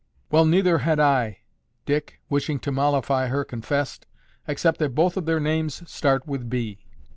"Well, neither had I," Dick, wishing to mollify her, confessed, "except that both of their names start with B."